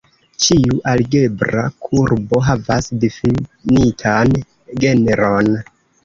Ĉiu algebra kurbo havas difinitan genron.